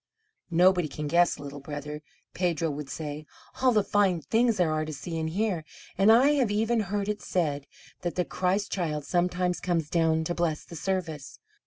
"Nobody can guess, Little Brother," Pedro would say; "all the fine things there are to see and hear; and I have even heard it said that the Christ Child sometimes comes down to bless the service.